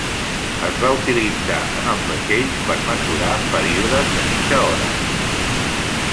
Es va utilitzar en els vaixells per mesurar períodes de mitja hora.